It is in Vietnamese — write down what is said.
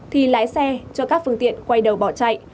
thì lái xe cho các phương tiện quay đầu bỏ chạy